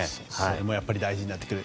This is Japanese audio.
やっぱり大事になってくる。